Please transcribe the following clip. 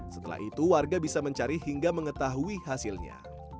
setelah itu warga bisa mencari hingga mengetahui hasilnya